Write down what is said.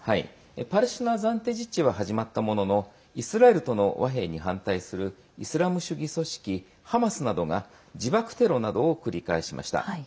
パレスチナ暫定自治は始まったもののイスラエルとの和平に反対するイスラム主義組織ハマスなどが自爆テロなどを繰り返しました。